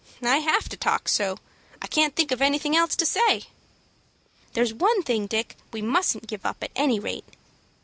"I have to talk so; I can't think of anything else to say." "There's one thing, Dick, we mustn't give up at any rate."